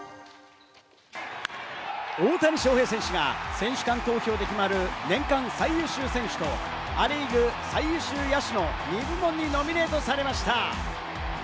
大谷翔平選手が選手間投票で決まる年間最優秀選手とア・リーグ最優秀野手の２部門にノミネートされました。